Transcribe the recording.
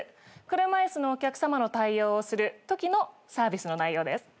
車椅子のお客さまの対応をするときのサービスの内容です。